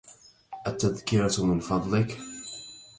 التذكرة من فضلك